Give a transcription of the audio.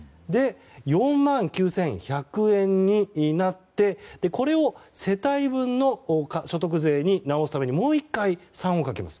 ４万９１００円になってこれを世帯分の所得税に直すためにもう１回３をかけます。